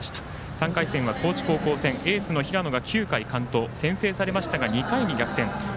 ３回戦は甲子園エースの平野が９回完投先制されましたが２回に逆転。